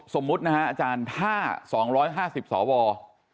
สมมุตินะฮะอาจารย์ถ้า๒๕๐สว